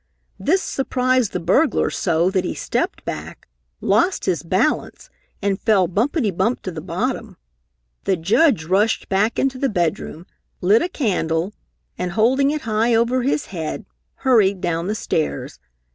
"This surprised the burglar so that he stepped back, lost his balance and fell bumpety bump to the bottom. The Judge rushed back into the bedroom, lit a candle and, holding it high over his head, hurried down the stairs.